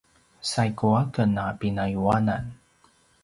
saigu aken a pinayuanan